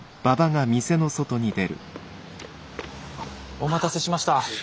お待たせしました。